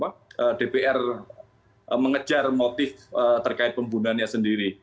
karena itu juga menjadi motif terkait pembunuhannya sendiri